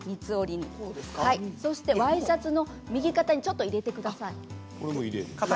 ワイシャツの右肩にちょっと入れてください。